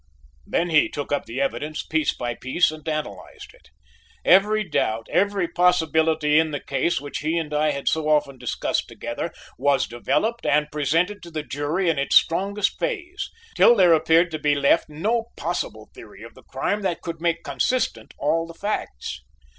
Then he took up the evidence piece by piece and analyzed it. Every doubt, every possibility in the case, which he and I had so often discussed together, was developed and presented to the jury in its strongest phase, till there appeared to be left no possible theory of the crime that could make consistent all the facts.